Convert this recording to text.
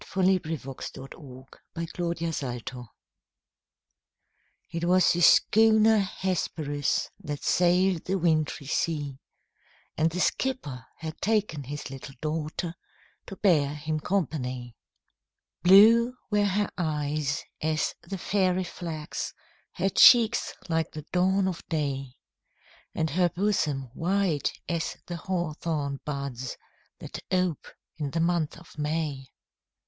SIR W. SCOTT. THE WRECK OF THE HESPERUS It was the schooner Hesperus, That sailed the wintry sea; And the skipper had taken his little daughter, To bear him company. Blue were her eyes as the fairy flax, Her cheeks like the dawn of day, And her bosom white as the hawthorn buds, That ope in the month of May.